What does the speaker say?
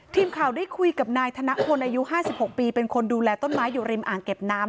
ทีมข่าวได้คุยกับนายธนพลอายุ๕๖ปีเป็นคนดูแลต้นไม้อยู่ริมอ่างเก็บน้ำ